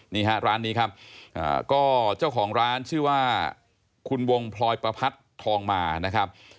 นี่ฮะร้านนี้ครับก็เจ้าของร้านชื่อว่าคุณวงพลอยประพัทธ์ทองมานะครับ